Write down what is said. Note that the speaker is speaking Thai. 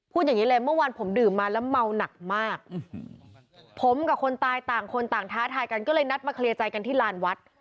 อย่างนี้เลยเมื่อวานผมดื่มมาแล้วเมาหนักมากผมกับคนตายต่างคนต่างท้าทายกันก็เลยนัดมาเคลียร์ใจกันที่ลานวัด